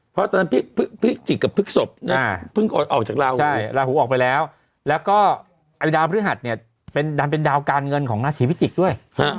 เพราะตอนนั้นพิจิกกับพฤกษบเพิ่งออกจากเราลาหูออกไปแล้วแล้วก็ดาวพฤหัสเนี่ยดันเป็นดาวการเงินของราศีพิจิกษ์ด้วย